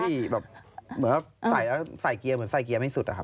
แบบเหมือนใส่เกียร์เหมือนใส่เกียร์ไม่สุดอะครับ